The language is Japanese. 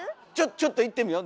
ちょっといってみよ？